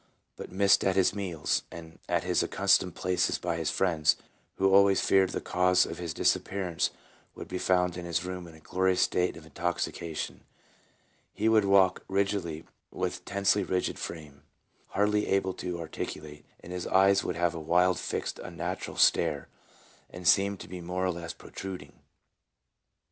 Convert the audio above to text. Being missed at his meals, and at his accustomed places by his friends, who always feared the cause of his disappearance, he would be found in his room in a glorious state of intoxica tion. He would walk rigidly with tensely rigid frame, hardly be able to articulate, and his eyes would INSANITY. 255 have a wild, fixed, and unnatural stare, and seem to be more or less protruding.